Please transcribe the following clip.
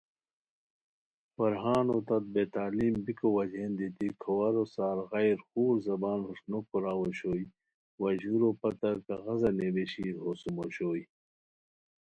فرہانو تت بے تعلیم بیکو وجہین دیتی کھوارو سار غیر خور زبان ہوݰ نوکوراؤ اوشوئے، وا ژورو پتہ کاغذا نیویشی ہوسُم اوشوئے